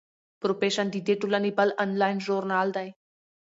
پروفیشن د دې ټولنې بل انلاین ژورنال دی.